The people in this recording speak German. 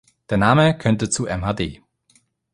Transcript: Der Name könnte zu mhd.